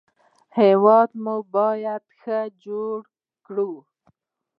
هېواد مو باید ښه جوړ کړو